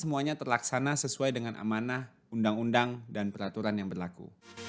semuanya terlaksana sesuai dengan amanah undang undang dan peraturan yang berlaku